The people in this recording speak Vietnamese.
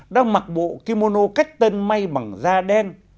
đang mặc bộ kimono cách tân may bằng da đen